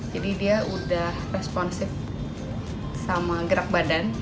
jadi dia sudah responsif dengan gerak badan